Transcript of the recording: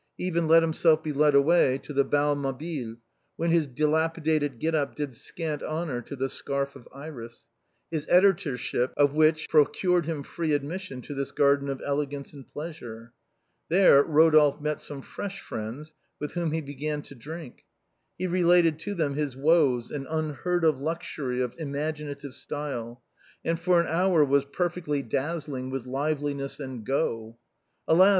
He even let himself be led away to the Bal Mabille, where his dilapidated get up did scant honor to " The Scarf of Iris," his editorship of which produced him free admission to this garden of elegance and pleasure. There Eodolphe met some fresh friends, with whom he began to drink. He related to them his woes with an un heard of luxury of imaginative style, and for an hour was perfectly dazzling with liveliness and go. "Alas